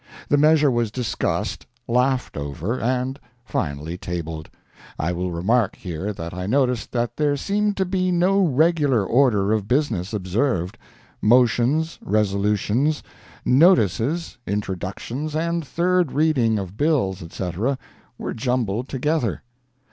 The measure was discussed, laughed over, and finally tabled. I will remark here that I noticed that there seemed to be no regular order of business observed. Motions, resolutions, notices, introduction and third reading of bills, etc., were jumbled together.